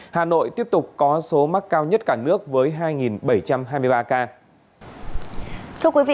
hà nội tiếp tục có số mắc cao nhất cả nước với hai bảy trăm hai mươi ba ca